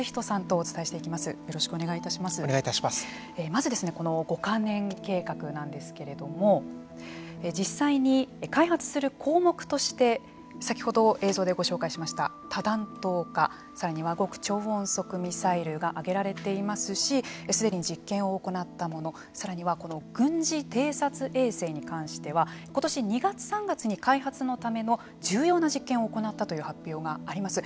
まず５か年計画なんですけれども実際に開発する項目として先ほど映像でご紹介しました多弾頭化さらには極超音速ミサイルが挙げられていますしすでに実験を行ったものさらには軍事偵察衛星に関してはことし２月、３月に開発のための重要な実験を行ったという発表があります。